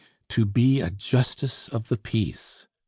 To be a justice of the peace!